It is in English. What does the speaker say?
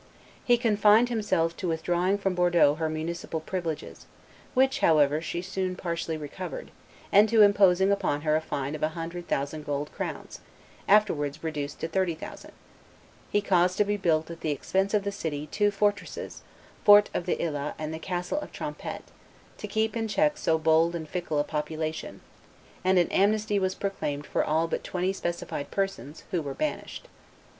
He confined himself to withdrawing from Bordeaux her municipal privileges, which, however, she soon partially recovered, and to imposing upon her a fine of a hundred thousand gold crowns, afterwards reduced to thirty thousand; he caused to be built at the expense of the city two fortresses, the Fort of the Ila and the Castle of Trompette, to keep in check so bold and fickle a population; and an amnesty was proclaimed for all but twenty specified persons, who were banished.